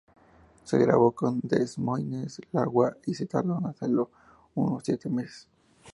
Se grabó en Des Moines, Iowa y se tardó en hacerlo unos siete meses.